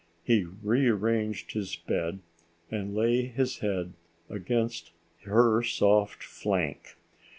He rearranged his bed and lay his head against her soft flank.